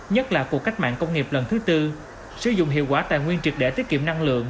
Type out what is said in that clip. nhất là cuộc cách mạng công nghiệp lần thứ tư sử dụng hiệu quả tài nguyên trực để tiết kiệm năng lượng